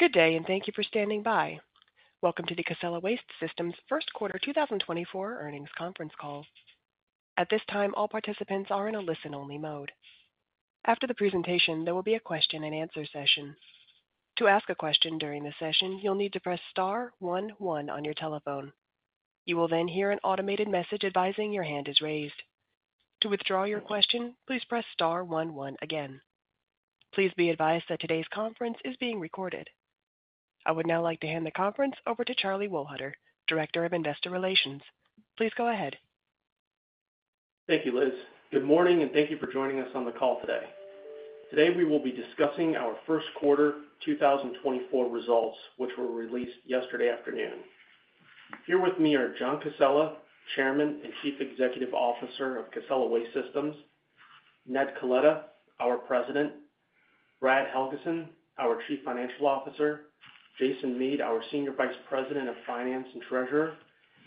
Good day and thank you for standing by. Welcome to the Casella Waste Systems first quarter 2024 earnings conference call. At this time, all participants are in a listen-only mode. After the presentation, there will be a question-and-answer session. To ask a question during the session, you'll need to press star one one on your telephone. You will then hear an automated message advising your hand is raised. To withdraw your question, please press star one one again. Please be advised that today's conference is being recorded. I would now like to hand the conference over to Charlie Wohlhuter, Director of Investor Relations. Please go ahead. Thank you, Liz. Good morning and thank you for joining us on the call today. Today we will be discussing our first quarter 2024 results, which were released yesterday afternoon. Here with me are John Casella, Chairman and Chief Executive Officer of Casella Waste Systems, Ned Coletta, our President, Brad Helgeson, our Chief Financial Officer, Jason Mead, our Senior Vice President of Finance and Treasurer,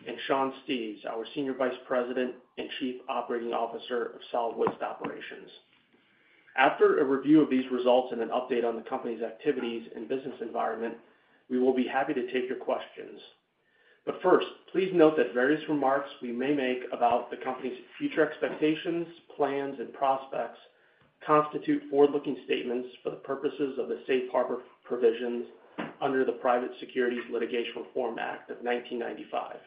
and Sean Steves, our Senior Vice President and Chief Operating Officer of Solid Waste Operations. After a review of these results and an update on the company's activities and business environment, we will be happy to take your questions. But first, please note that various remarks we may make about the company's future expectations, plans, and prospects constitute forward-looking statements for the purposes of the Safe Harbor provisions under the Private Securities Litigation Reform Act of 1995.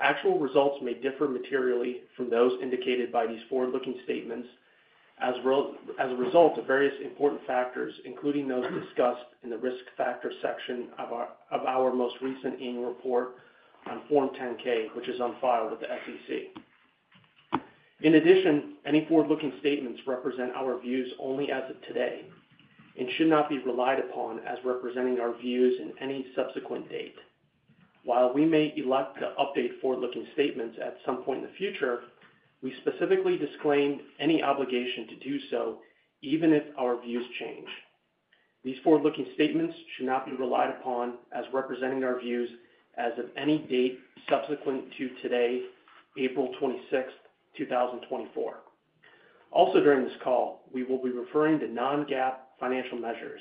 Actual results may differ materially from those indicated by these forward-looking statements as a result of various important factors, including those discussed in the risk factor section of our most recent annual report on Form 10-K, which is on file with the SEC. In addition, any forward-looking statements represent our views only as of today and should not be relied upon as representing our views in any subsequent date. While we may elect to update forward-looking statements at some point in the future, we specifically disclaim any obligation to do so, even if our views change. These forward-looking statements should not be relied upon as representing our views as of any date subsequent to today, April 26, 2024. Also, during this call, we will be referring to non-GAAP financial measures.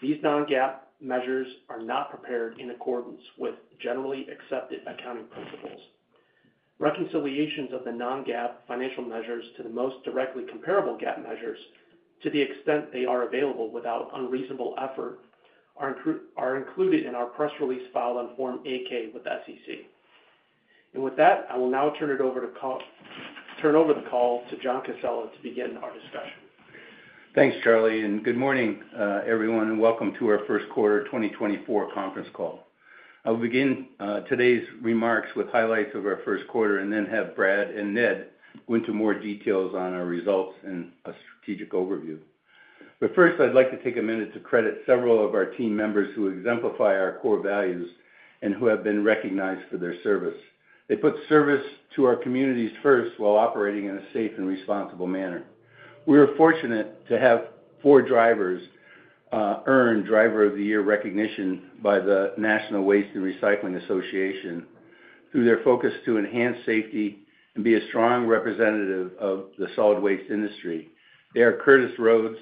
These non-GAAP measures are not prepared in accordance with generally accepted accounting principles. Reconciliations of the non-GAAP financial measures to the most directly comparable GAAP measures, to the extent they are available without unreasonable effort, are included in our press release filed on Form 8-K with the SEC. With that, I will now turn it over to John Casella to begin our discussion. Thanks, Charlie, and good morning, everyone, and welcome to our first quarter 2024 conference call. I will begin today's remarks with highlights of our first quarter and then have Brad and Ned go into more details on our results and a strategic overview. But first, I'd like to take a minute to credit several of our team members who exemplify our core values and who have been recognized for their service. They put service to our communities first while operating in a safe and responsible manner. We are fortunate to have four drivers earn Driver of the Year recognition by the National Waste and Recycling Association through their focus to enhance safety and be a strong representative of the solid waste industry. They are Curtis Rhodes,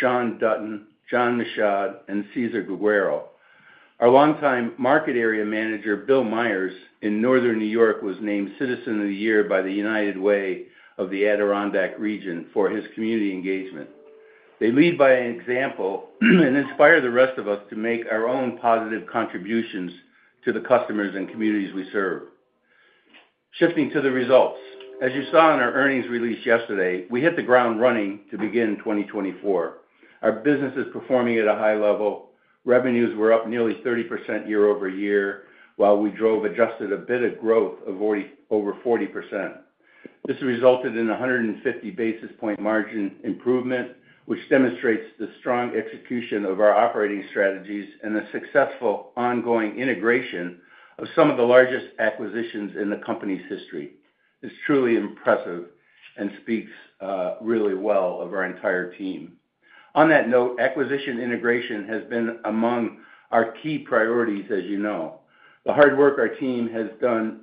Shawn Dutton, John Michaud, and Cesar Guerrero. Our longtime market area manager, Bill Myers, in Northern New York was named Citizen of the Year by the United Way of the Adirondack Region for his community engagement. They lead by an example and inspire the rest of us to make our own positive contributions to the customers and communities we serve. Shifting to the results. As you saw in our earnings release yesterday, we hit the ground running to begin 2024. Our business is performing at a high level. Revenues were up nearly 30% year-over-year, while Adjusted EBITDA growth of over 40%. This resulted in a 150 basis point margin improvement, which demonstrates the strong execution of our operating strategies and the successful ongoing integration of some of the largest acquisitions in the company's history. It's truly impressive and speaks really well of our entire team. On that note, acquisition integration has been among our key priorities, as you know. The hard work our team has done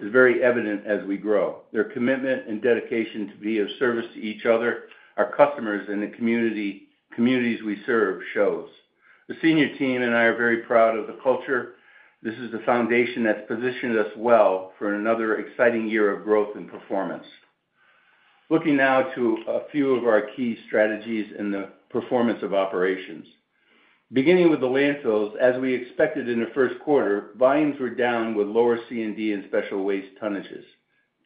is very evident as we grow. Their commitment and dedication to be of service to each other, our customers, and the communities we serve shows. The senior team and I are very proud of the culture. This is the foundation that's positioned us well for another exciting year of growth and performance. Looking now to a few of our key strategies in the performance of operations. Beginning with the landfills, as we expected in the first quarter, volumes were down with lower C&D and special waste tonnages.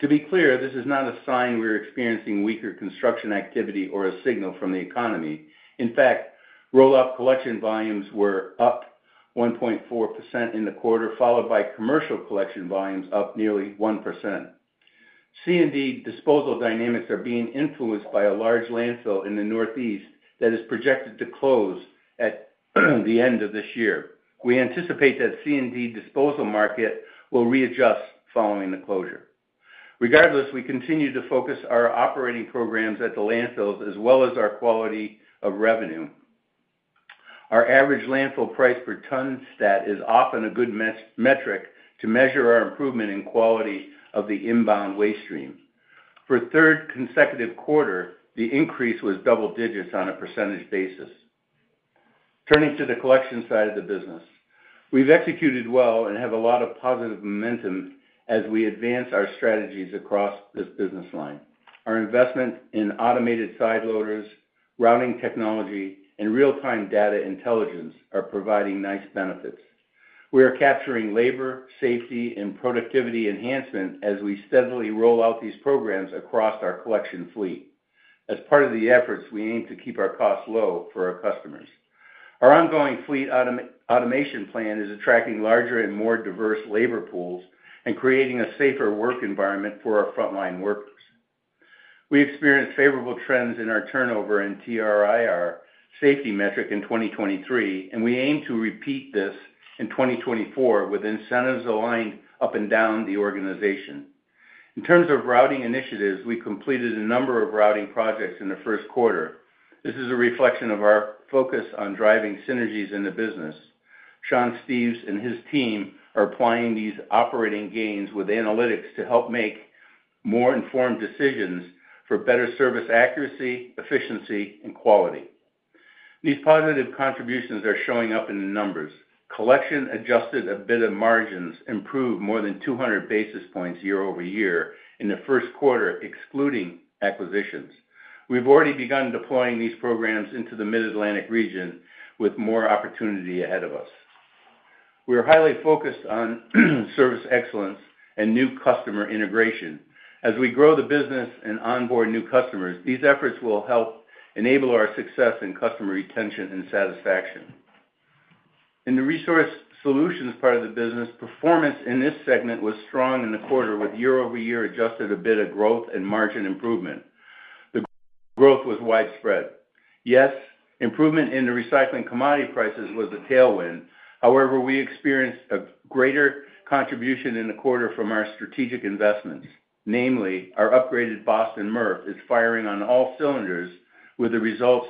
To be clear, this is not a sign we're experiencing weaker construction activity or a signal from the economy. In fact, roll-off collection volumes were up 1.4% in the quarter, followed by commercial collection volumes up nearly 1%. C&D disposal dynamics are being influenced by a large landfill in the Northeast that is projected to close at the end of this year. We anticipate that C&D disposal market will readjust following the closure. Regardless, we continue to focus our operating programs at the landfills as well as our quality of revenue. Our average landfill price per ton stat is often a good metric to measure our improvement in quality of the inbound waste stream. For third consecutive quarter, the increase was double digits on a percentage basis. Turning to the collection side of the business, we've executed well and have a lot of positive momentum as we advance our strategies across this business line. Our investment in automated side loaders, routing technology, and real-time data intelligence are providing nice benefits. We are capturing labor, safety, and productivity enhancement as we steadily roll out these programs across our collection fleet. As part of the efforts, we aim to keep our costs low for our customers. Our ongoing fleet automation plan is attracting larger and more diverse labor pools and creating a safer work environment for our frontline workers. We experienced favorable trends in our turnover and TRIR safety metric in 2023, and we aim to repeat this in 2024 with incentives aligned up and down the organization. In terms of routing initiatives, we completed a number of routing projects in the first quarter. This is a reflection of our focus on driving synergies in the business. Sean Steves and his team are applying these operating gains with analytics to help make more informed decisions for better service accuracy, efficiency, and quality. These positive contributions are showing up in numbers. Collection-adjusted EBITDA margins improved more than 200 basis points year-over-year in the first quarter, excluding acquisitions. We've already begun deploying these programs into the Mid-Atlantic region with more opportunity ahead of us. We are highly focused on service excellence and new customer integration. As we grow the business and onboard new customers, these efforts will help enable our success in customer retention and satisfaction. In the Resource Solutions part of the business, performance in this segment was strong in the quarter with year-over-year adjusted EBITDA growth and margin improvement. The growth was widespread. Yes, improvement in the recycling commodity prices was a tailwind. However, we experienced a greater contribution in the quarter from our strategic investments. Namely, our upgraded Boston MRF is firing on all cylinders with the results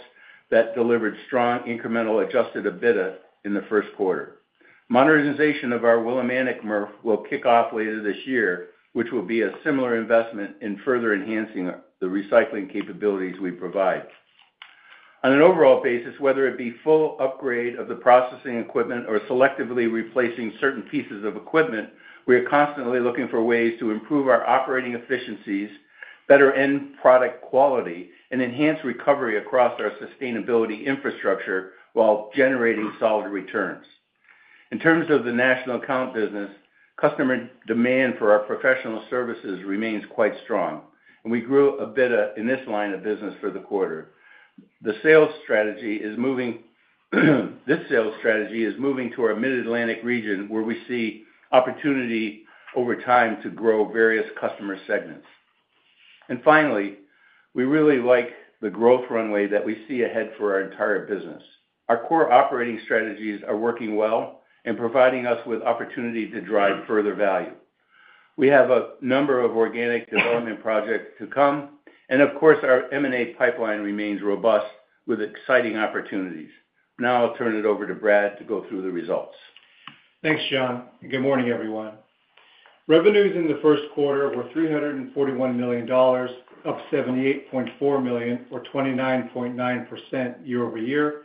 that delivered strong incremental adjusted EBITDA in the first quarter. Modernization of our Willimantic MRF will kick off later this year, which will be a similar investment in further enhancing the recycling capabilities we provide. On an overall basis, whether it be full upgrade of the processing equipment or selectively replacing certain pieces of equipment, we are constantly looking for ways to improve our operating efficiencies, better end product quality, and enhance recovery across our sustainability infrastructure while generating solid returns. In terms of the national account business, customer demand for our professional services remains quite strong, and we grew a bit in this line of business for the quarter. The sales strategy is moving to our Mid-Atlantic region where we see opportunity over time to grow various customer segments. Finally, we really like the growth runway that we see ahead for our entire business. Our core operating strategies are working well and providing us with opportunity to drive further value. We have a number of organic development projects to come, and of course, our M&A pipeline remains robust with exciting opportunities. Now I'll turn it over to Brad to go through the results. Thanks, John. Good morning, everyone. Revenues in the first quarter were $341 million, up $78.4 million or 29.9% year-over-year,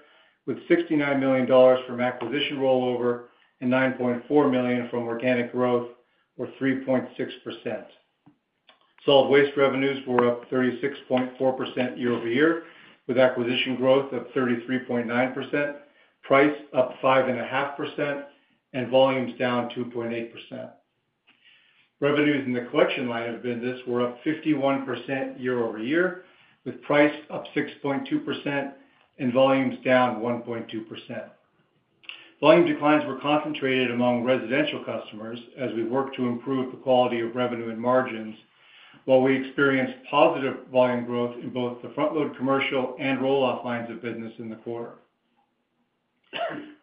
with $69 million from acquisition rollover and $9.4 million from organic growth or 3.6%. Solid waste revenues were up 36.4% year-over-year with acquisition growth of 33.9%, price up 5.5%, and volumes down 2.8%. Revenues in the collection line of business were up 51% year-over-year with price up 6.2% and volumes down 1.2%. Volume declines were concentrated among residential customers as we worked to improve the quality of revenue and margins while we experienced positive volume growth in both the front load commercial and roll-off lines of business in the quarter.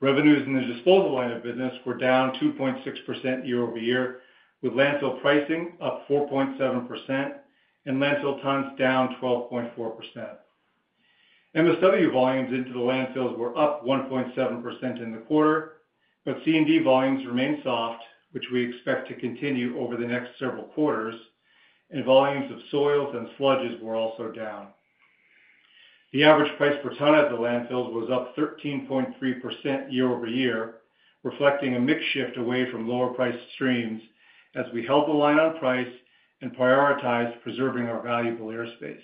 Revenues in the disposal line of business were down 2.6% year-over-year with landfill pricing up 4.7% and landfill tons down 12.4%. MSW volumes into the landfills were up 1.7% in the quarter, but C&D volumes remained soft, which we expect to continue over the next several quarters, and volumes of soils and sludges were also down. The average price per ton at the landfills was up 13.3% year-over-year, reflecting a mixed shift away from lower price streams as we held the line on price and prioritized preserving our valuable airspace.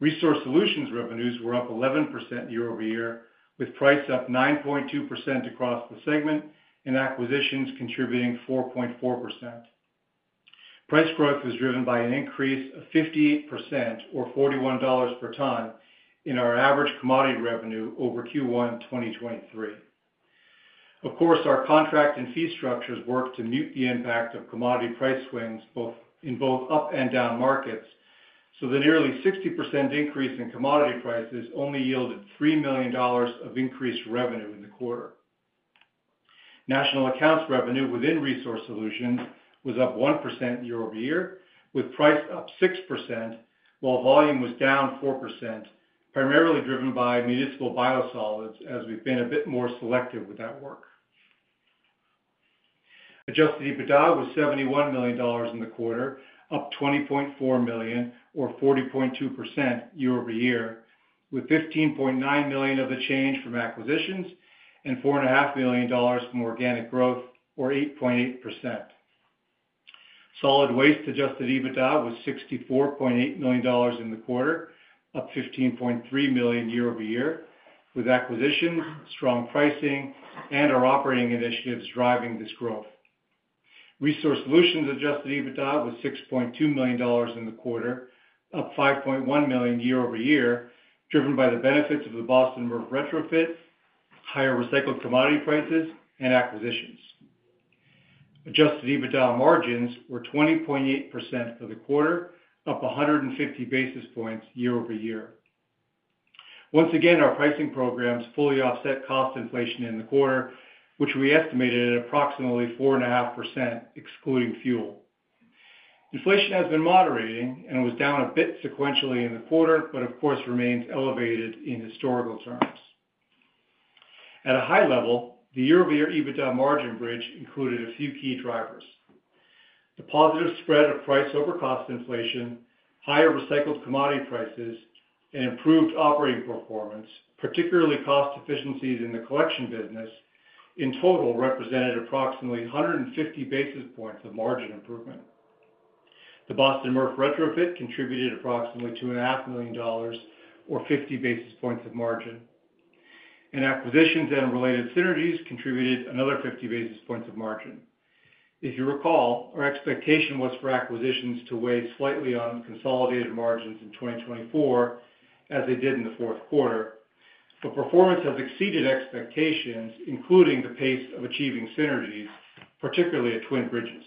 Resource Solutions revenues were up 11% year-over-year with price up 9.2% across the segment and acquisitions contributing 4.4%. Price growth was driven by an increase of 58% or $41 per ton in our average commodity revenue over Q1 2023. Of course, our contract and fee structures worked to mute the impact of commodity price swings in both up and down markets, so the nearly 60% increase in commodity prices only yielded $3 million of increased revenue in the quarter. National accounts revenue within Resource Solutions was up 1% year-over-year with price up 6% while volume was down 4%, primarily driven by municipal biosolids as we've been a bit more selective with that work. Adjusted EBITDA was $71 million in the quarter, up $20.4 million or 40.2% year-over-year with $15.9 million of the change from acquisitions and $4.5 million from organic growth or 8.8%. Solid waste adjusted EBITDA was $64.8 million in the quarter, up $15.3 million year-over-year with acquisitions, strong pricing, and our operating initiatives driving this growth. Resource Solutions Adjusted EBITDA was $6.2 million in the quarter, up $5.1 million year-over-year driven by the benefits of the Boston MRF retrofit, higher recycled commodity prices, and acquisitions. Adjusted EBITDA margins were 20.8% for the quarter, up 150 basis points year-over-year. Once again, our pricing programs fully offset cost inflation in the quarter, which we estimated at approximately 4.5% excluding fuel. Inflation has been moderating and was down a bit sequentially in the quarter, but of course remains elevated in historical terms. At a high level, the year-over-year EBITDA margin bridge included a few key drivers: the positive spread of price over cost inflation, higher recycled commodity prices, and improved operating performance, particularly cost efficiencies in the collection business, in total represented approximately 150 basis points of margin improvement. The Boston MRF retrofit contributed approximately $2.5 million or 50 basis points of margin, and acquisitions and related synergies contributed another 50 basis points of margin. If you recall, our expectation was for acquisitions to weigh slightly on consolidated margins in 2024 as they did in the fourth quarter, but performance has exceeded expectations, including the pace of achieving synergies, particularly at Twin Bridges.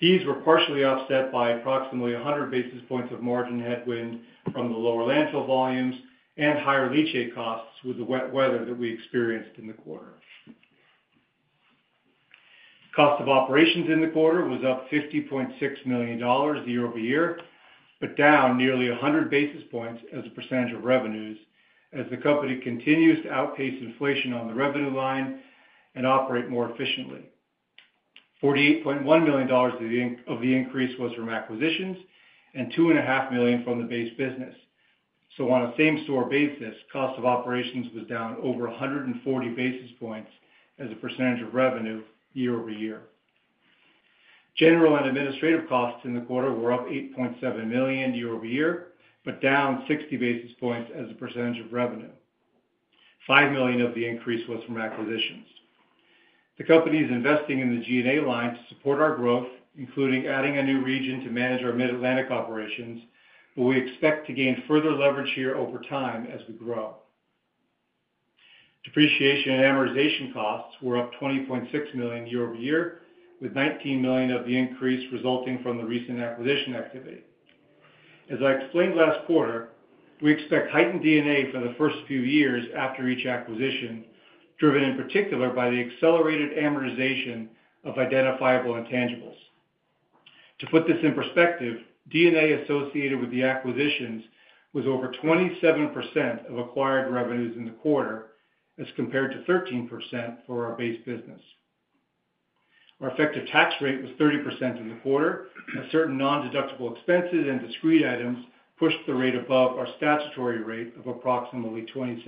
These were partially offset by approximately 100 basis points of margin headwind from the lower landfill volumes and higher leachate costs with the wet weather that we experienced in the quarter. Cost of operations in the quarter was up $50.6 million year-over-year but down nearly 100 basis points as a percentage of revenues as the company continues to outpace inflation on the revenue line and operate more efficiently. $48.1 million of the increase was from acquisitions and $2.5 million from the base business. On a same-store basis, cost of operations was down over 140 basis points as a percentage of revenue year-over-year. General and administrative costs in the quarter were up $8.7 million year-over-year but down 60 basis points as a percentage of revenue. $5 million of the increase was from acquisitions. The company is investing in the G&A line to support our growth, including adding a new region to manage our Mid-Atlantic operations, but we expect to gain further leverage here over time as we grow. Depreciation and amortization costs were up $20.6 million year-over-year with $19 million of the increase resulting from the recent acquisition activity. As I explained last quarter, we expect heightened D&A for the first few years after each acquisition, driven in particular by the accelerated amortization of identifiable intangibles. To put this in perspective, D&A associated with the acquisitions was over 27% of acquired revenues in the quarter as compared to 13% for our base business. Our effective tax rate was 30% in the quarter, as certain non-deductible expenses and discrete items pushed the rate above our statutory rate of approximately 27%.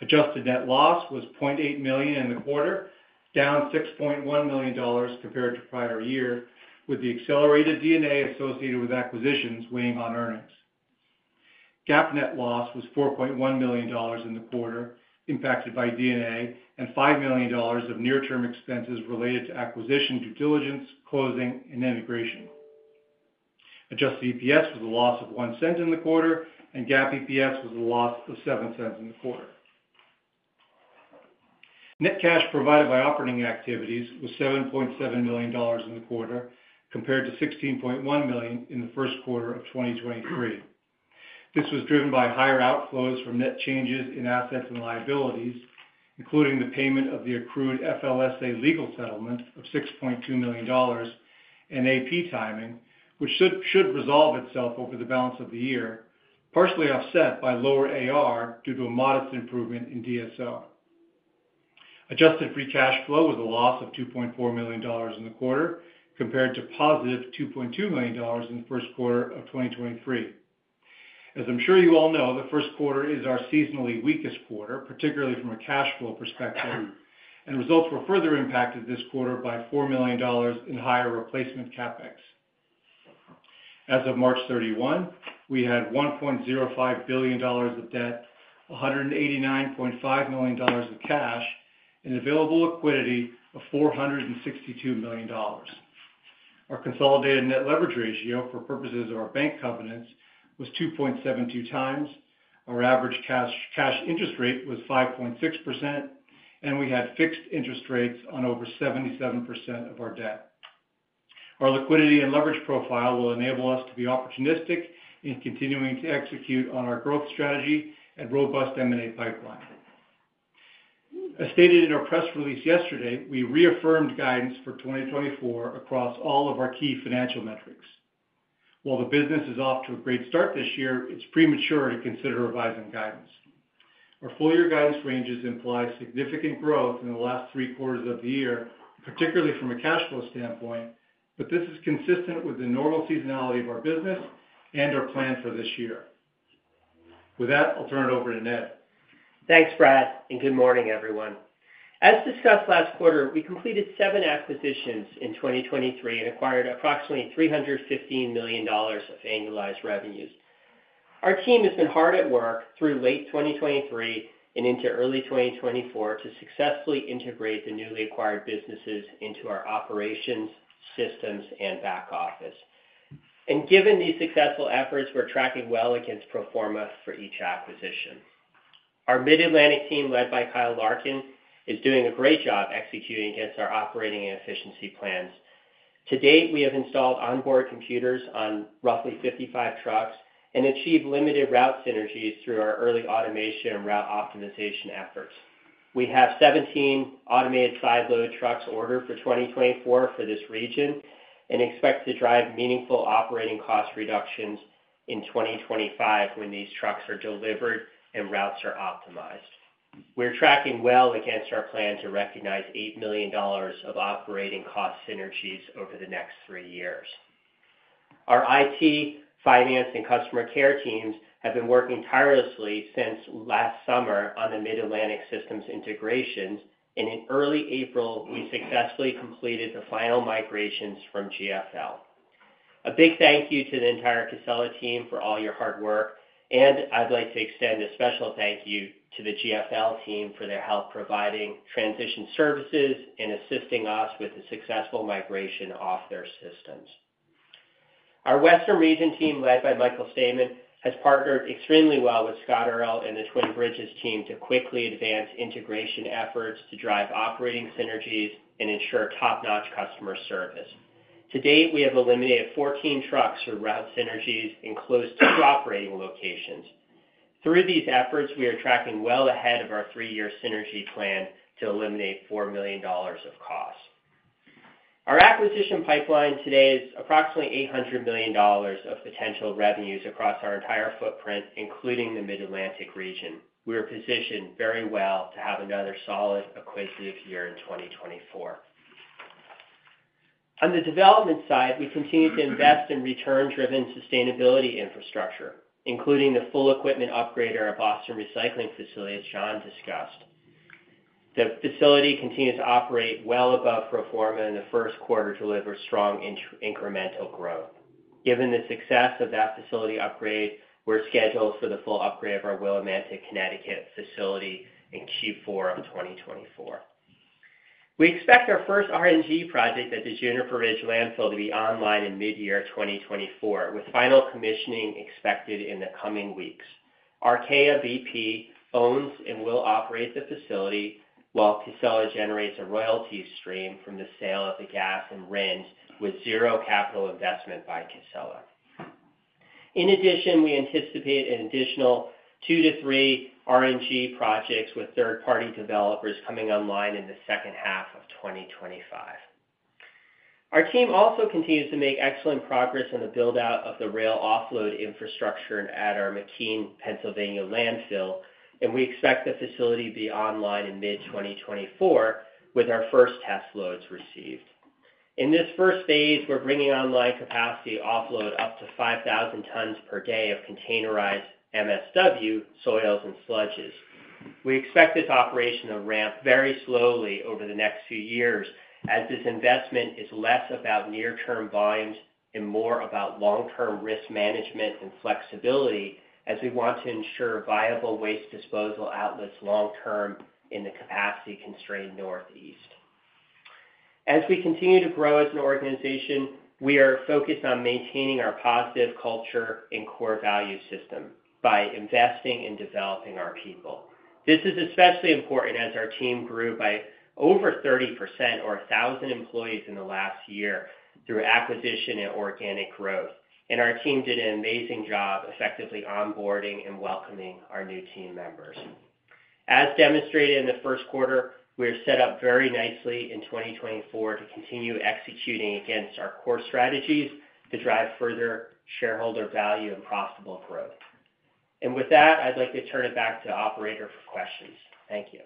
Adjusted net loss was $0.8 million in the quarter, down $6.1 million compared to prior year, with the accelerated D&A associated with acquisitions weighing on earnings. GAAP net loss was $4.1 million in the quarter impacted by D&A and $5 million of near-term expenses related to acquisition, due diligence, closing, and integration. Adjusted EPS was a loss of $0.01 in the quarter, and GAAP EPS was a loss of $0.07 in the quarter. Net cash provided by operating activities was $7.7 million in the quarter compared to $16.1 million in the first quarter of 2023. This was driven by higher outflows from net changes in assets and liabilities, including the payment of the accrued FLSA legal settlement of $6.2 million and AP timing, which should resolve itself over the balance of the year, partially offset by lower AR due to a modest improvement in DSO. Adjusted free cash flow was a loss of $2.4 million in the quarter compared to positive $2.2 million in the first quarter of 2023. As I'm sure you all know, the first quarter is our seasonally weakest quarter, particularly from a cash flow perspective, and results were further impacted this quarter by $4 million in higher replacement CapEx. As of March 31, we had $1.05 billion of debt, $189.5 million of cash, and available liquidity of $462 million. Our consolidated net leverage ratio for purposes of our bank covenants was 2.72x, our average cash interest rate was 5.6%, and we had fixed interest rates on over 77% of our debt. Our liquidity and leverage profile will enable us to be opportunistic in continuing to execute on our growth strategy and robust M&A pipeline. As stated in our press release yesterday, we reaffirmed guidance for 2024 across all of our key financial metrics. While the business is off to a great start this year, it's premature to consider revising guidance. Our full-year guidance ranges imply significant growth in the last three quarters of the year, particularly from a cash flow standpoint, but this is consistent with the normal seasonality of our business and our plan for this year. With that, I'll turn it over to Ned. Thanks, Brad, and good morning, everyone. As discussed last quarter, we completed seven acquisitions in 2023 and acquired approximately $315 million of annualized revenues. Our team has been hard at work through late 2023 and into early 2024 to successfully integrate the newly acquired businesses into our operations, systems, and back office. Given these successful efforts, we're tracking well against proforma for each acquisition. Our Mid-Atlantic team led by Kyle Larkin is doing a great job executing against our operating and efficiency plans. To date, we have installed onboard computers on roughly 55 trucks and achieved limited route synergies through our early automation and route optimization efforts. We have 17 automated side load trucks ordered for 2024 for this region and expect to drive meaningful operating cost reductions in 2025 when these trucks are delivered and routes are optimized. We're tracking well against our plan to recognize $8 million of operating cost synergies over the next three years. Our IT, finance, and customer care teams have been working tirelessly since last summer on the Mid-Atlantic systems integrations, and in early April, we successfully completed the final migrations from GFL. A big thank you to the entire Casella team for all your hard work, and I'd like to extend a special thank you to the GFL team for their help providing transition services and assisting us with the successful migration off their systems. Our Western Region team led by Michael Stehman has partnered extremely well with Scott Arel and the Twin Bridges team to quickly advance integration efforts to drive operating synergies and ensure top-notch customer service. To date, we have eliminated 14 trucks for route synergies in close to operating locations. Through these efforts, we are tracking well ahead of our three-year synergy plan to eliminate $4 million of cost. Our acquisition pipeline today is approximately $800 million of potential revenues across our entire footprint, including the Mid-Atlantic region. We are positioned very well to have another solid acquisitive year in 2024. On the development side, we continue to invest in return-driven sustainability infrastructure, including the full equipment upgrade at our Boston recycling facility, as John discussed. The facility continues to operate well above pro forma in the first quarter, delivering strong incremental growth. Given the success of that facility upgrade, we're scheduled for the full upgrade of our Willimantic, Connecticut facility in Q4 of 2024. We expect our first RNG project at Juniper Ridge Landfill to be online in mid-year 2024, with final commissioning expected in the coming weeks. Archaea BP owns and will operate the facility while Casella generates a royalty stream from the sale of the gas and RNGs with zero capital investment by Casella. In addition, we anticipate an additional two to three RNG projects with third-party developers coming online in the second half of 2025. Our team also continues to make excellent progress in the buildout of the rail offload infrastructure at our McKean, Pennsylvania landfill, and we expect the facility to be online in mid-2024 with our first test loads received. In this first phase, we're bringing online capacity offload up to 5,000 tons per day of containerized MSW, soils, and sludges. We expect this operation to ramp very slowly over the next few years as this investment is less about near-term volumes and more about long-term risk management and flexibility as we want to ensure viable waste disposal outlets long-term in the capacity-constrained Northeast. As we continue to grow as an organization, we are focused on maintaining our positive culture and core value system by investing in developing our people. This is especially important as our team grew by over 30% or 1,000 employees in the last year through acquisition and organic growth, and our team did an amazing job effectively onboarding and welcoming our new team members. As demonstrated in the first quarter, we are set up very nicely in 2024 to continue executing against our core strategies to drive further shareholder value and profitable growth. With that, I'd like to turn it back to Operator for questions. Thank you.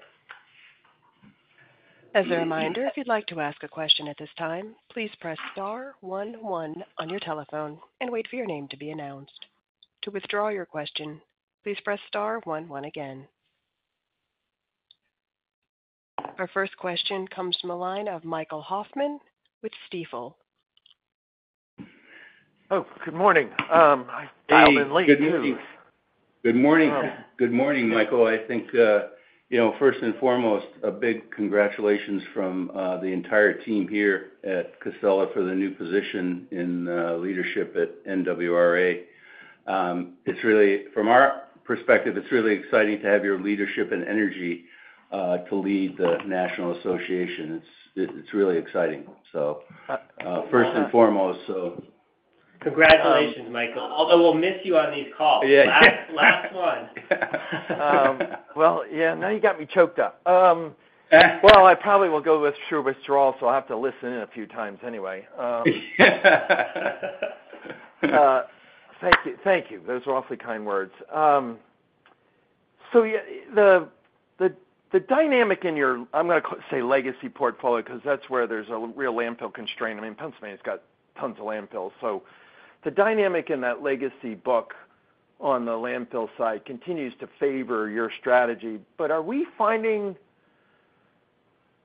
As a reminder, if you'd like to ask a question at this time, please press star one one on your telephone and wait for your name to be announced. To withdraw your question, please press star one one again. Our first question comes from a line of Michael Hoffman with Stifel. Oh, good morning. I've been late too. Hey. Good morning. Good morning, Michael. I think, first and foremost, a big congratulations from the entire team here at Casella for the new position in leadership at NWRA. From our perspective, it's really exciting to have your leadership and energy to lead the national association. It's really exciting, so. First and foremost, so. Congratulations, Michael. Although we'll miss you on these calls. Last one. Well, yeah. Now you got me choked up. Well, I probably will go with true withdrawal, so I'll have to listen in a few times anyway. Thank you. Thank you. Those were awfully kind words. So the dynamic in your, I'm going to say, legacy portfolio because that's where there's a real landfill constraint. I mean, Pennsylvania's got tons of landfills. So the dynamic in that legacy book on the landfill side continues to favor your strategy, but are we finding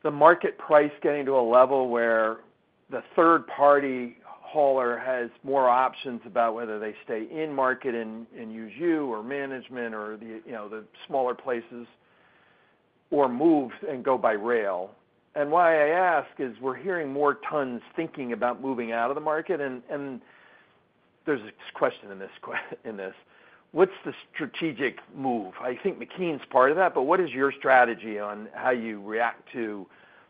the market price getting to a level where the third-party hauler has more options about whether they stay in market and use you or management or the smaller places or move and go by rail? And why I ask is we're hearing more tons thinking about moving out of the market, and there's this question in this. What's the strategic move? I think McKean's part of that, but what is your strategy on how you react to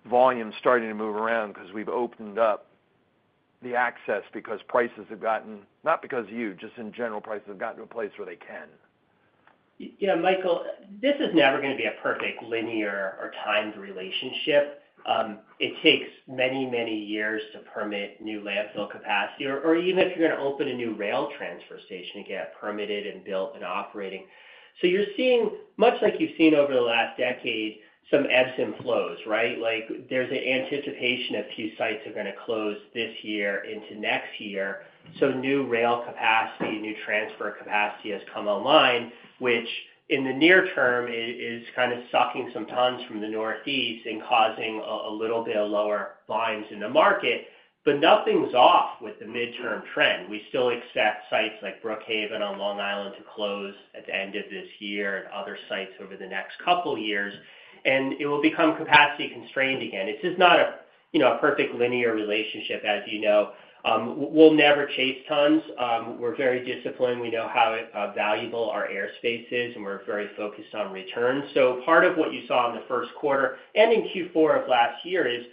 volume starting to move around because we've opened up the access because prices have gotten not because of you, just in general, prices have gotten to a place where they can? Yeah, Michael, this is never going to be a perfect linear or timed relationship. It takes many, many years to permit new landfill capacity or even if you're going to open a new rail transfer station to get permitted and built and operating. You're seeing, much like you've seen over the last decade, some ebbs and flows, right? There's an anticipation that a few sites are going to close this year into next year, so new rail capacity, new transfer capacity has come online, which in the near term is kind of sucking some tons from the Northeast and causing a little bit of lower volumes in the market, but nothing's off with the midterm trend. We still expect sites like Brookhaven on Long Island to close at the end of this year and other sites over the next couple of years, and it will become capacity-constrained again. This is not a perfect linear relationship, as you know. We'll never chase tons. We're very disciplined. We know how valuable our airspace is, and we're very focused on returns. Part of what you saw in the first quarter and in Q4 of last year is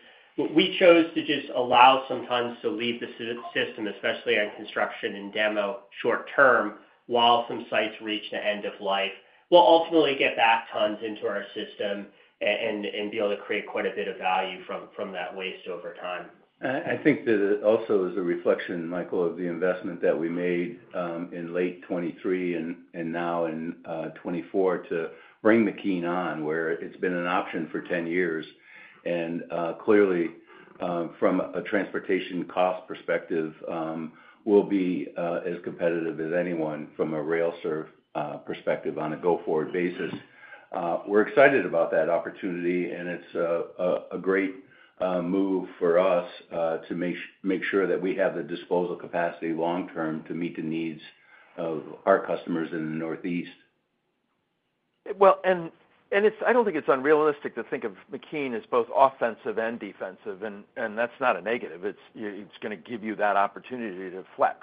we chose to just allow some tons to leave the system, especially on construction and demo short-term, while some sites reach the end of life, will ultimately get back tons into our system and be able to create quite a bit of value from that waste over time. I think that it also is a reflection, Michael, of the investment that we made in late 2023 and now in 2024 to bring McKean on where it's been an option for 10 years. Clearly, from a transportation cost perspective, we'll be as competitive as anyone from a rail service perspective on a go-forward basis. We're excited about that opportunity, and it's a great move for us to make sure that we have the disposal capacity long-term to meet the needs of our customers in the Northeast. Well, and I don't think it's unrealistic to think of McKean as both offensive and defensive, and that's not a negative. It's going to give you that opportunity to flex.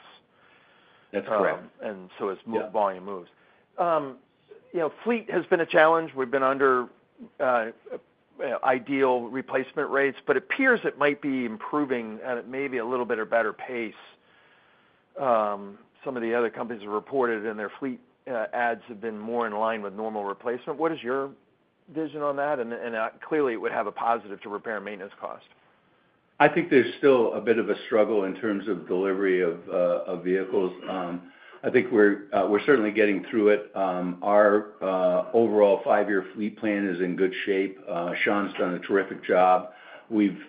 That's correct. And so as volume moves, Fleet has been a challenge. We've been under ideal replacement rates, but it appears it might be improving at maybe a little bit of better pace. Some of the other companies have reported that their fleet adds have been more in line with normal replacement. What is your vision on that? Clearly, it would have a positive to repair and maintenance cost. I think there's still a bit of a struggle in terms of delivery of vehicles. I think we're certainly getting through it. Our overall five-year fleet plan is in good shape. Sean's done a terrific job. We've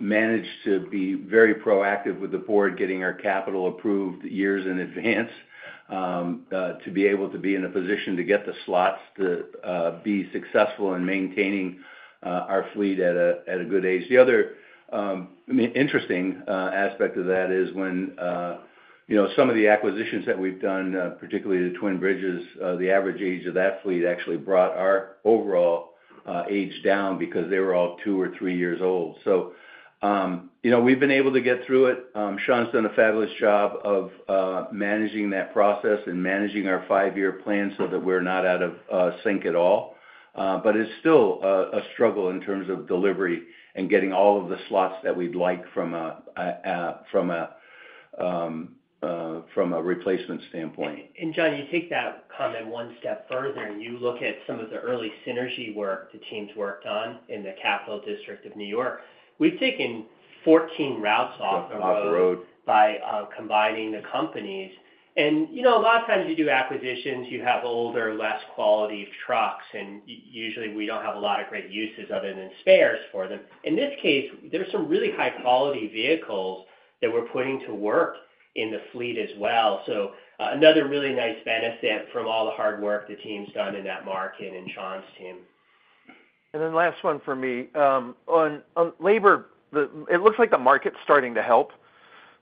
managed to be very proactive with the board, getting our capital approved years in advance to be able to be in a position to get the slots to be successful in maintaining our fleet at a good age. The other, I mean, interesting aspect of that is when some of the acquisitions that we've done, particularly the Twin Bridges, the average age of that fleet actually brought our overall age down because they were all two or three years old. We've been able to get through it. Sean's done a fabulous job of managing that process and managing our five-year plan so that we're not out of sync at all. It's still a struggle in terms of delivery and getting all of the slots that we'd like from a replacement standpoint. John, you take that comment one step further, and you look at some of the early synergy work the teams worked on in the Capital District of New York. We've taken 14 routes off the road. Off the road. By combining the companies. A lot of times, you do acquisitions. You have older, less quality trucks, and usually, we don't have a lot of great uses other than spares for them. In this case, there are some really high-quality vehicles that we're putting to work in the fleet as well. Another really nice benefit from all the hard work the team's done in that market and Sean's team. Last one for me. It looks like the market's starting to help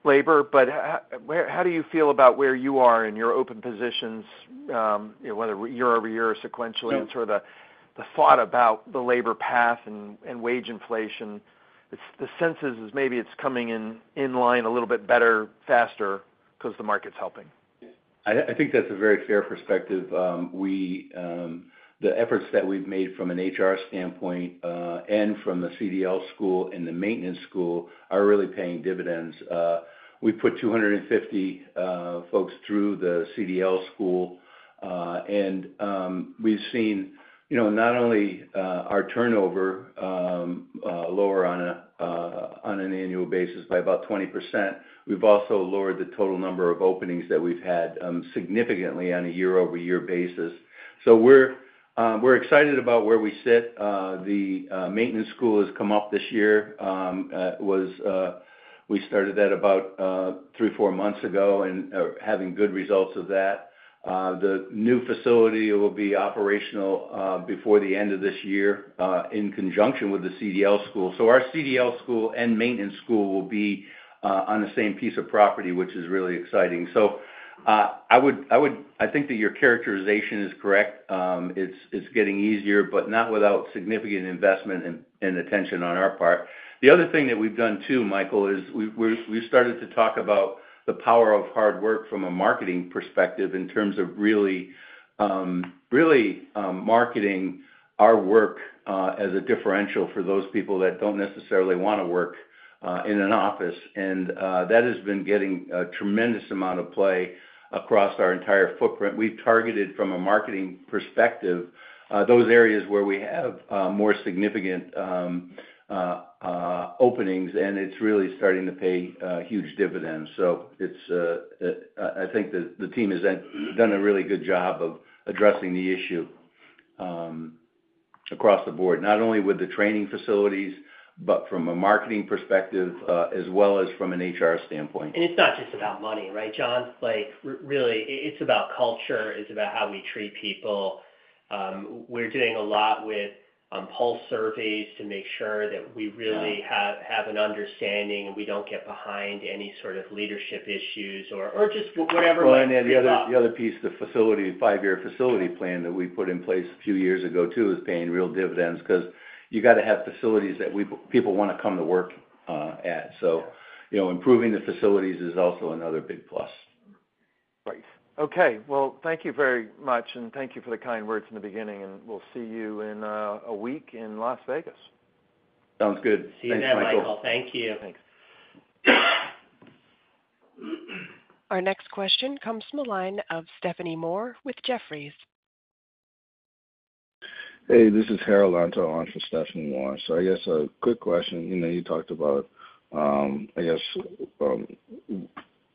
labor, but how do you feel about where you are in your open positions, whether year-over-year or sequentially, and sort of the thought about the labor path and wage inflation? The sense is maybe it's coming in line a little bit better, faster, because the market's helping. I think that's a very fair perspective. The efforts that we've made from an HR standpoint and from the CDL school and the maintenance school are really paying dividends. We put 250 folks through the CDL school, and we've seen not only our turnover lower on an annual basis by about 20%, we've also lowered the total number of openings that we've had significantly on a year-over-year basis. So we're excited about where we sit. The maintenance school has come up this year. We started that about three or four months ago and are having good results of that. The new facility will be operational before the end of this year in conjunction with the CDL school. Our CDL school and maintenance school will be on the same piece of property, which is really exciting. I think that your characterization is correct. It's getting easier, but not without significant investment and attention on our part. The other thing that we've done too, Michael, is we've started to talk about the power of hard work from a marketing perspective in terms of really marketing our work as a differential for those people that don't necessarily want to work in an office. And that has been getting a tremendous amount of play across our entire footprint. We've targeted, from a marketing perspective, those areas where we have more significant openings, and it's really starting to pay huge dividends. I think the team has done a really good job of addressing the issue across the board, not only with the training facilities but from a marketing perspective as well as from an HR standpoint. It's not just about money, right, John? Really, it's about culture. It's about how we treat people. We're doing a lot with pulse surveys to make sure that we really have an understanding and we don't get behind any sort of leadership issues or just whatever might. Well, and the other piece, the five-year facility plan that we put in place a few years ago too is paying real dividends because you got to have facilities that people want to come to work at. Improving the facilities is also another big plus. Okay. Well, thank you very much, and thank you for the kind words in the beginning. We'll see you in a week in Las Vegas. Sounds good. Thank you. Thanks. Our next question comes from a line of Stephanie Moore with Jefferies. Hey, this is Harold Antor in for Stephanie Moore. I guess a quick question. You talked about, I guess,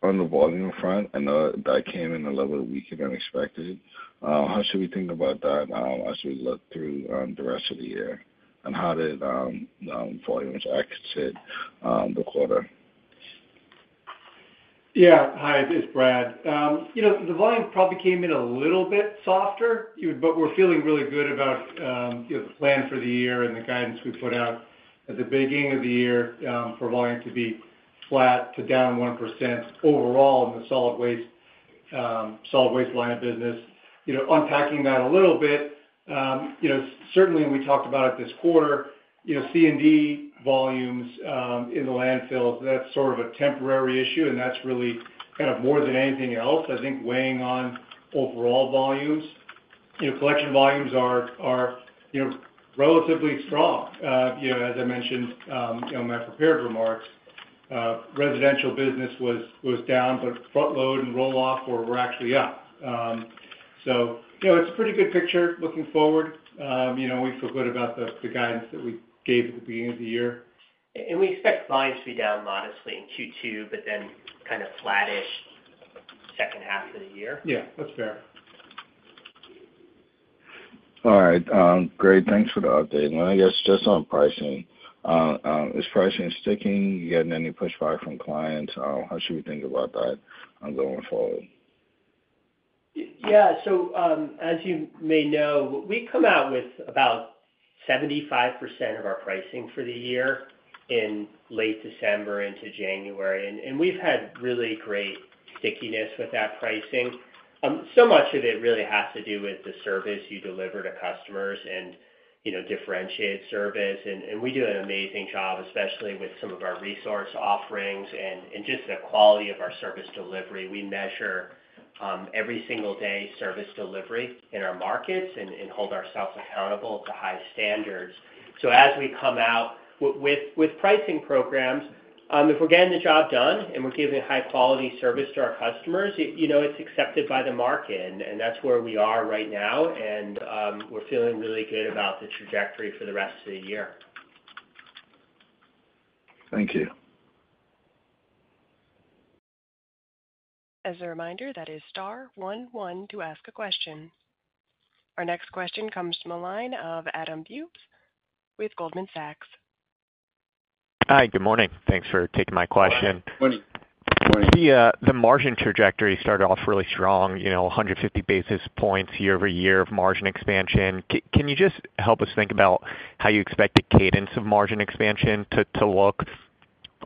on the volume front, I guess, on the volume front, I know that came in a little bit weaker than expected. How should we think about that as we look through the rest of the year and how did volumes exit the quarter? Yeah. Hi. This is Brad. The volume probably came in a little bit softer, but we're feeling really good about the plan for the year and the guidance we put out at the beginning of the year for volume to be flat to down 1% overall in the solid waste line of business. Unpacking that a little bit, certainly, when we talked about it this quarter, C&D volumes in the landfills, that's sort of a temporary issue, and that's really kind of more than anything else, I think, weighing on overall volumes. Collection volumes are relatively strong, as I mentioned in my prepared remarks. Residential business was down, but front load and roll-off were actually up. So it's a pretty good picture looking forward. We feel good about the guidance that we gave at the beginning of the year. We expect volumes to be down modestly in Q2 but then kind of flat-ish second half of the year. Yeah. That's fair. All right. Great. Thanks for the update. I guess just on pricing, is pricing sticking? You're getting any pushback from clients? How should we think about that going forward? Yeah. As you may know, we come out with about 75% of our pricing for the year in late December into January, and we've had really great stickiness with that pricing. So much of it really has to do with the service you deliver to customers and differentiated service. We do an amazing job, especially with some of our resource offerings and just the quality of our service delivery. We measure every single day service delivery in our markets and hold ourselves accountable to high standards. As we come out with pricing programs, if we're getting the job done and we're giving high-quality service to our customers, it's accepted by the market, and that's where we are right now, and we're feeling really good about the trajectory for the rest of the year. Thank you. As a reminder, that is star one one to ask a question. Our next question comes from a line of Adam Bubes with Goldman Sachs. Hi. Good morning. Thanks for taking my question. Morning. The margin trajectory started off really strong, 150 basis points year-over-year of margin expansion. Can you just help us think about how you expect the cadence of margin expansion to look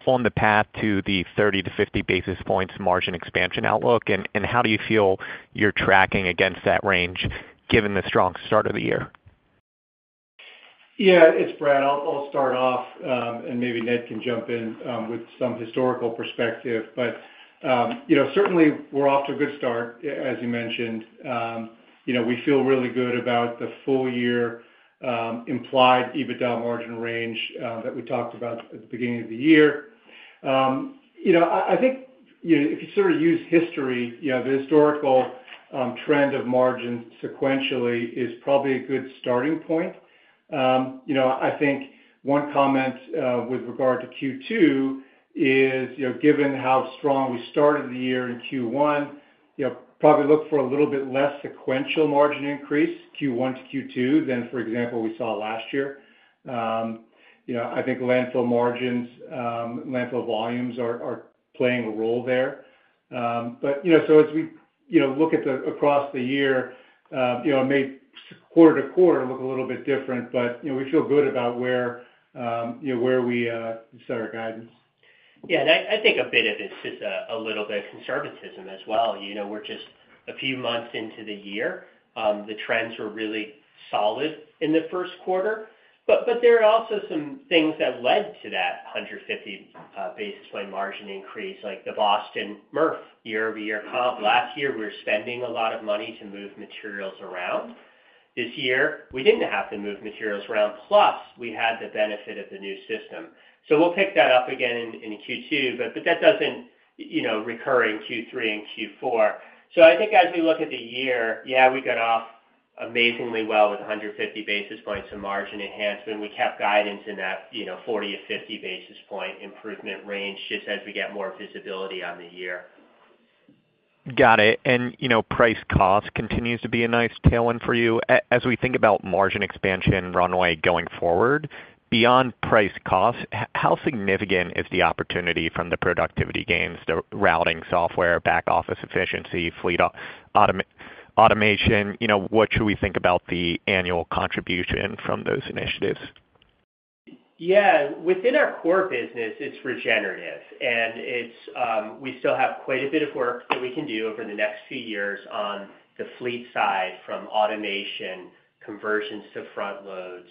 on the path to the 30-50 basis points margin expansion outlook, and how do you feel you're tracking against that range given the strong start of the year? Yeah. It's Brad. I'll start off, and maybe Ned can jump in with some historical perspective. Certainly, we're off to a good start, as you mentioned. We feel really good about the full-year implied EBITDA margin range that we talked about at the beginning of the year. I think if you sort of use history, the historical trend of margins sequentially is probably a good starting point. I think one comment with regard to Q2 is, given how strong we started the year in Q1, probably look for a little bit less sequential margin increase Q1 to Q2 than, for example, we saw last year. I think landfill margins, landfill volumes are playing a role there. As we look across the year, it may quarter to quarter look a little bit different, but we feel good about where we set our guidance. Yeah. I think a bit of it's just a little bit of conservatism as well. We're just a few months into the year. The trends were really solid in the first quarter. But there are also some things that led to that 150 basis point margin increase, like the Boston MRF year-over-year comp. Last year, we were spending a lot of money to move materials around. This year, we didn't have to move materials around. Plus, we had the benefit of the new system. So we'll pick that up again in Q2, but that doesn't recur in Q3 and Q4. So I think as we look at the year, yeah, we got off amazingly well with 150 basis points of margin enhancement. We kept guidance in that 40-50 basis point improvement range just as we get more visibility on the year. Got it. And price/cost continues to be a nice tailwind for you. As we think about margin expansion runway going forward, beyond price/cost, how significant is the opportunity from the productivity gains, the routing software, back-office efficiency, fleet automation? What should we think about the annual contribution from those initiatives? Yeah. Within our core business, it's regenerative, and we still have quite a bit of work that we can do over the next few years on the fleet side from automation, conversions to front loads,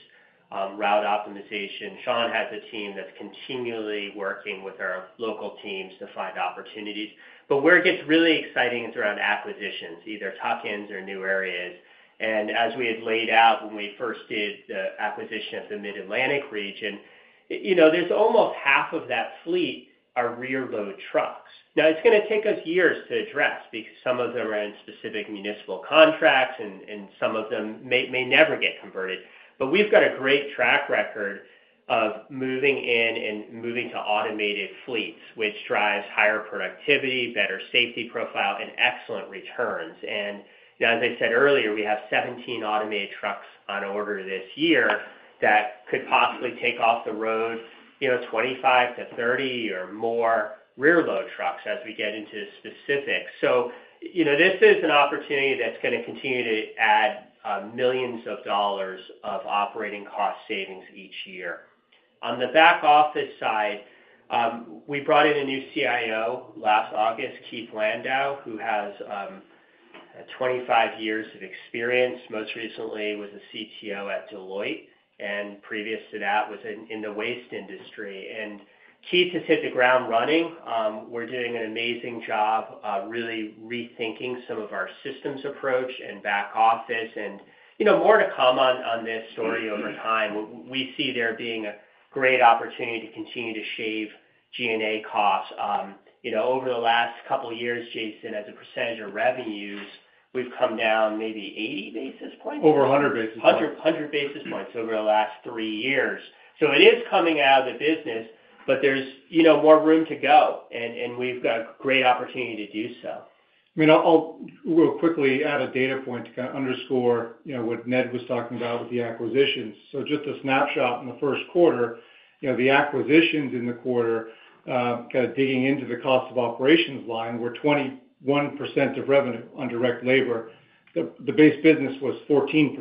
route optimization. Sean has a team that's continually working with our local teams to find opportunities. But where it gets really exciting is around acquisitions, either tuck-ins or new areas. As we had laid out when we first did the acquisition of the Mid-Atlantic region, there's almost half of that fleet are rear-load trucks. Now, it's going to take us years to address because some of them are in specific municipal contracts, and some of them may never get converted. But we've got a great track record of moving in and moving to automated fleets, which drives higher productivity, better safety profile, and excellent returns. As I said earlier, we have 17 automated trucks on order this year that could possibly take off the road, 25-30 or more rear-load trucks as we get into specifics. So this is an opportunity that's going to continue to add a millions of dollars of operating cost savings each year. On the back-office side, we brought in a new CIO last August, Keith Landau, who has 25 years of experience, most recently was a CTO at Deloitte, and previous to that was in the waste industry. Keith has hit the ground running. We're doing an amazing job really rethinking some of our systems approach and back office. More to come on this story over time. We see there being a great opportunity to continue to shave G&A costs. Over the last couple of years, Jason, as a percentage of revenues, we've come down maybe 80 basis points. Over 100 basis points. 100 basis points over the last three years. It is coming out of the business, but there's more room to go, and we've got a great opportunity to do so. I mean, I'll real quickly add a data point to kind of underscore what Ned was talking about with the acquisitions. Just a snapshot in the first quarter, the acquisitions in the quarter, kind of digging into the cost of operations line, were 21% of revenue on direct labor. The base business was 14%.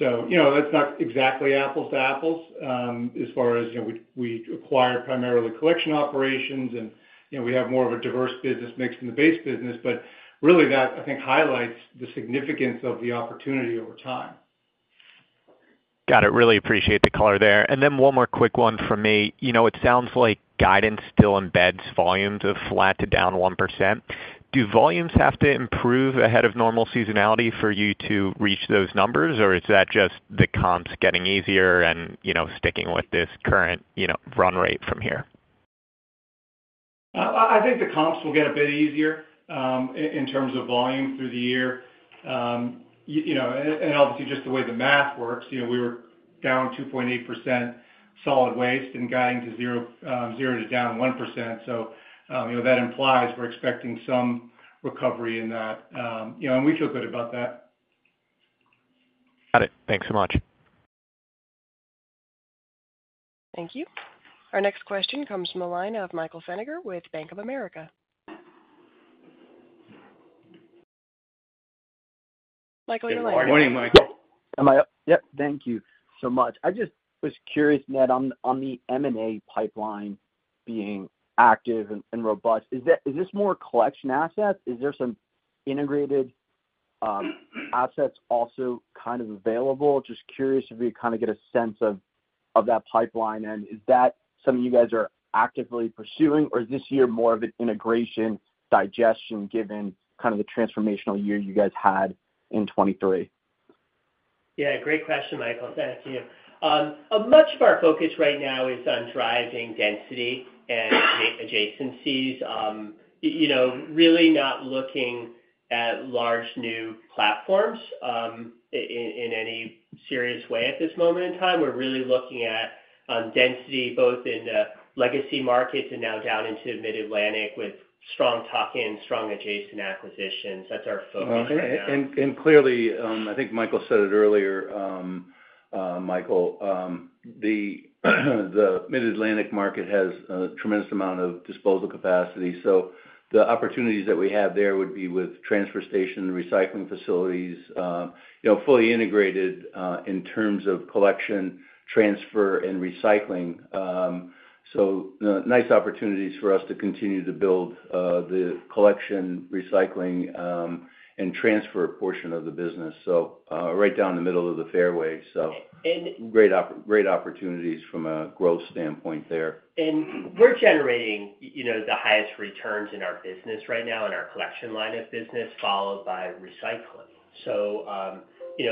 That's not exactly apples to apples as far as we acquired primarily collection operations, and we have more of a diverse business mix than the base business. But really, that, I think, highlights the significance of the opportunity over time. Got it. Really appreciate the color there. And then one more quick one from me. It sounds like guidance still embeds volumes of flat to down 1%. Do volumes have to improve ahead of normal seasonality for you to reach those numbers, or is that just the comps getting easier and sticking with this current run rate from here? I think the comps will get a bit easier in terms of volume through the year. Obviously, just the way the math works, we were down 2.8% solid waste and guiding to 0% to down 1%. So that implies we're expecting some recovery in that, and we feel good about that. Got it. Thanks so much. Thank you. Our next question comes from a line of Michael Feniger with Bank of America. Michael, you're on air. Morning, Michael. Yep. Thank you so much. I just was curious, Ned, on the M&A pipeline being active and robust, is this more collection assets? Is there some integrated assets also kind of available? Just curious if we kind of get a sense of that pipeline. Is that something you guys are actively pursuing, or is this year more of an integration digestion given kind of the transformational year you guys had in 2023? Yeah. Great question, Michael. Thank you. Much of our focus right now is on driving density and adjacencies, really not looking at large new platforms in any serious way at this moment in time. We're really looking at density both in the legacy markets and now down into the Mid-Atlantic with strong tuck-in, strong adjacent acquisitions. That's our focus right now. Clearly, I think Michael said it earlier, Michael, the Mid-Atlantic market has a tremendous amount of disposal capacity. So the opportunities that we have there would be with transfer station and recycling facilities, fully integrated in terms of collection, transfer, and recycling. So nice opportunities for us to continue to build the collection, recycling, and transfer portion of the business, so right down the middle of the fairway. So great opportunities from a growth standpoint there. We're generating the highest returns in our business right now in our collection line of business, followed by recycling.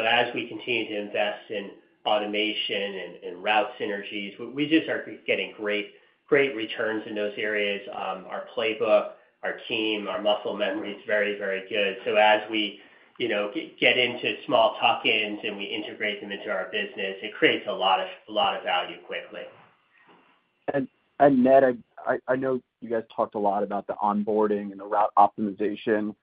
As we continue to invest in automation and route synergies, we just are getting great returns in those areas. Our playbook, our team, our muscle memory is very, very good. As we get into small tuck-ins and we integrate them into our business, it creates a lot of value quickly. Ned, I know you guys talked a lot about the onboarding and the route optimization.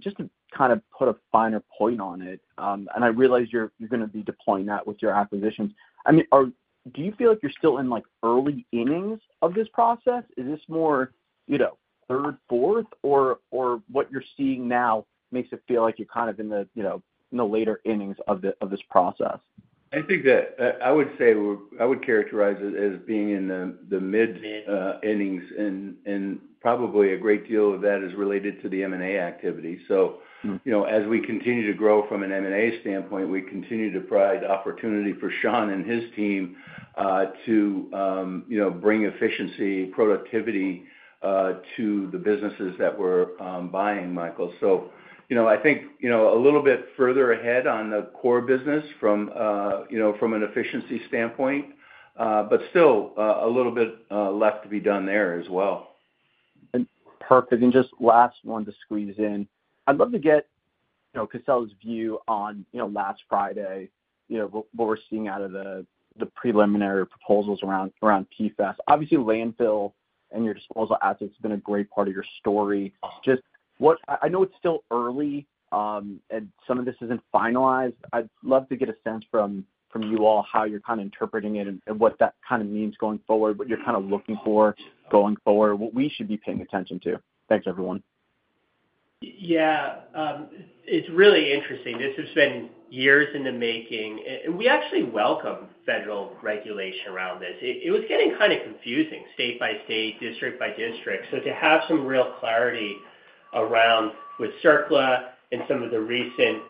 Just to kind of put a finer point on it, and I realize you're going to be deploying that with your acquisitions, I mean, do you feel like you're still in early innings of this process? Is this more third, fourth, or what you're seeing now makes it feel like you're kind of in the later innings of this process? I would say I would characterize it as being in the mid-innings, and probably a great deal of that is related to the M&A activity. As we continue to grow from an M&A standpoint, we continue to provide opportunity for Sean and his team to bring efficiency, productivity to the businesses that we're buying, Michael. I think a little bit further ahead on the core business from an efficiency standpoint, but still a little bit left to be done there as well. Perfect. Just last one to squeeze in, I'd love to get Casella's view on last Friday, what we're seeing out of the preliminary proposals around PFAS. Obviously, landfill and your disposal assets have been a great part of your story. I know it's still early, and some of this isn't finalized. I'd love to get a sense from you all how you're kind of interpreting it and what that kind of means going forward, what you're kind of looking for going forward? What we should be paying attention to. Thanks, everyone. Yeah. It's really interesting. This has been years in the making, and we actually welcome federal regulation around this. It was getting kind of confusing, state by state, district by district. So to have some real clarity around with CERCLA and some of the recent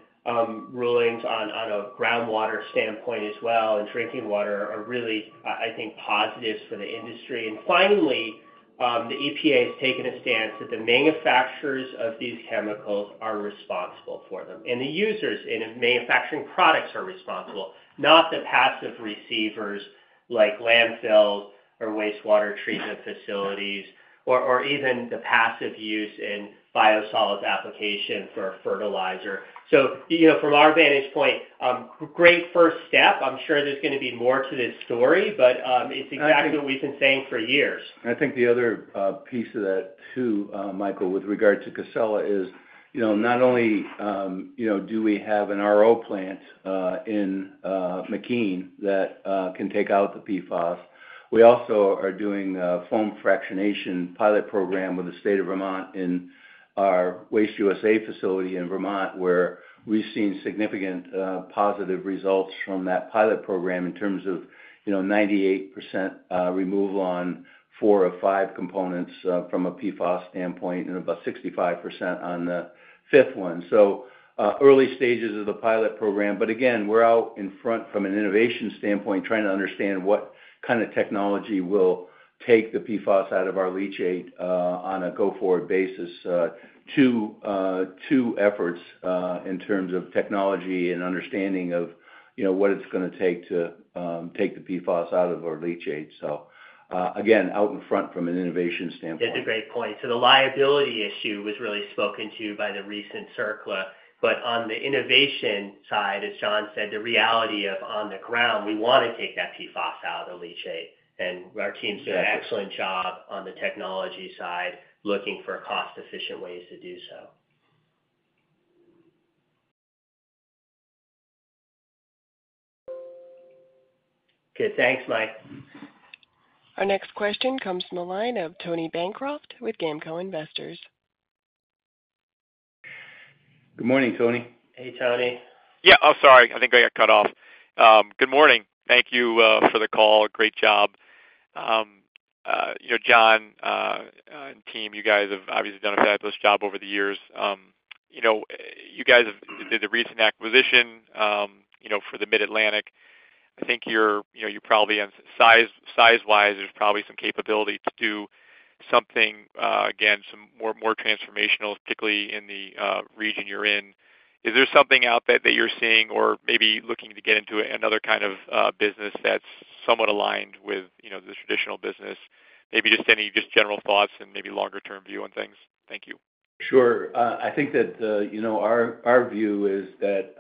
rulings on a groundwater standpoint as well and drinking water are really, I think, positives for the industry. Finally, the EPA has taken a stance that the manufacturers of these chemicals are responsible for them, and the users in manufacturing products are responsible, not the passive receivers like landfills or wastewater treatment facilities or even the passive use in biosolids application for fertilizer. From our vantage point, great first step. I'm sure there's going to be more to this story, but it's exactly what we've been saying for years. I think the other piece of that too, Michael, with regard to Casella is not only do we have an RO plant in McKean that can take out the PFAS, we also are doing a foam fractionation pilot program with the state of Vermont in our Waste USA facility in Vermont, where we've seen significant positive results from that pilot program in terms of 98% removal on four of five components from a PFAS standpoint and about 65% on the fifth one. Early stages of the pilot program. But again, we're out in front from an innovation standpoint trying to understand what kind of technology will take the PFAS out of our leachate on a go-forward basis. Two efforts in terms of technology and understanding of what it's going to take to take the PFAS out of our leachate. So again, out in front from an innovation standpoint. That's a great point. So the liability issue was really spoken to by the recent CERCLA. But on the innovation side, as Sean said, the reality of on the ground, we want to take that PFAS out of the leachate. Our team's doing an excellent job on the technology side looking for cost-efficient ways to do so. Good. Thanks, Mike. Our next question comes from a line of Tony Bancroft with GAMCO Investors. Good morning, Tony. Hey, Tony. Yeah. Oh, sorry. I think I got cut off. Good morning. Thank you for the call. Great job. John and team, you guys have obviously done a fabulous job over the years. You guys did the recent acquisition for the Mid-Atlantic. I think you're probably on size-wise, there's probably some capability to do something, again, some more transformational, particularly in the region you're in. Is there something out there that you're seeing or maybe looking to get into another kind of business that's somewhat aligned with the traditional business? Maybe just any general thoughts and maybe longer-term view on things? Thank you. Sure. I think that our view is that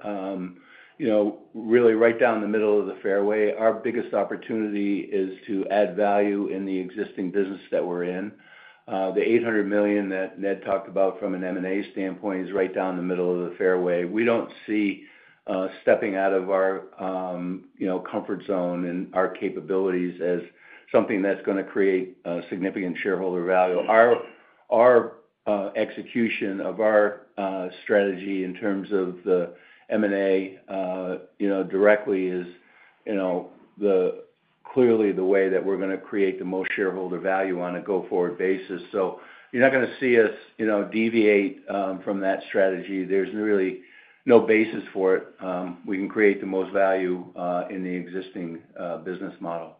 really right down the middle of the fairway, our biggest opportunity is to add value in the existing business that we're in. The $800 million that Ned talked about from an M&A standpoint is right down the middle of the fairway. We don't see stepping out of our comfort zone and our capabilities as something that's going to create significant shareholder value. Our execution of our strategy in terms of the M&A directly is clearly the way that we're going to create the most shareholder value on a go-forward basis. So you're not going to see us deviate from that strategy. There's really no basis for it. We can create the most value in the existing business model.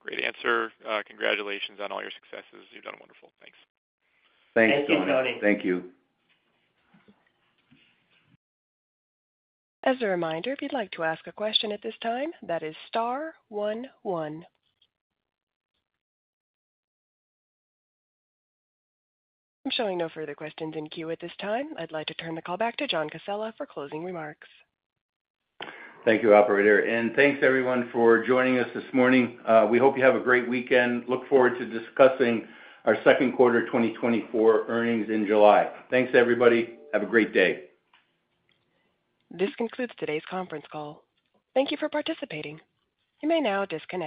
Great answer. Congratulations on all your successes. You've done wonderful. Thanks. Thank you, Tony. Thank you. As a reminder, if you'd like to ask a question at this time, that is star one one. I'm showing no further questions in queue at this time. I'd like to turn the call back to John Casella for closing remarks. Thank you, operator. Thanks, everyone, for joining us this morning. We hope you have a great weekend. Look forward to discussing our second quarter 2024 earnings in July. Thanks, everybody. Have a great day. This concludes today's conference call. Thank you for participating. You may now disconnect.